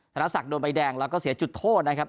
นศักดิ์โดนใบแดงแล้วก็เสียจุดโทษนะครับ